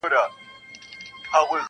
زغره د همت په تن او هیلي یې لښکري دي-